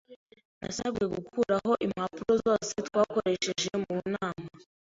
Nasabwe gukuraho impapuro zose twakoresheje mu nama.